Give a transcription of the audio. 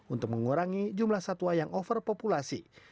untuk mengurangi jumlah satwa yang overpopulasi